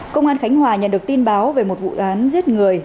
công an khánh hòa nhận được tin báo về một vụ án giết người